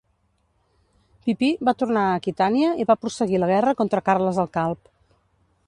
Pipí va tornar a Aquitània i va prosseguir la guerra contra Carles el Calb.